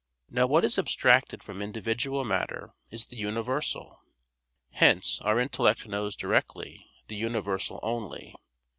Now what is abstracted from individual matter is the universal. Hence our intellect knows directly the universal only.